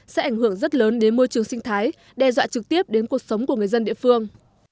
sẽ ảnh hưởng rất lớn đến môi trường sinh thái đe dọa trực tiếp đến cuộc sống của người dân địa phương